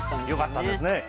よかったですね。